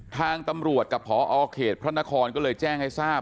ทางตำรวจกับพอเขตพระนครก็เลยแจ้งให้ทราบ